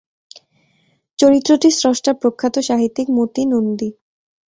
চরিত্রটির স্রষ্টা প্রখ্যাত সাহিত্যিক মতি নন্দী।